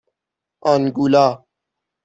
آنگولا